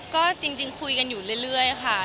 ก็จริงคุยกันอยู่เรื่อยค่ะ